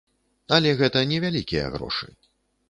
Але гэта невялікія грошы.